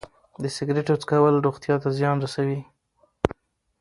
د سګرټو څښل روغتیا ته زیان رسوي.